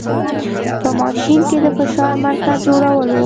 په ماشین کې د فشار مرکز جوړول و.